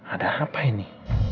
ada apa ini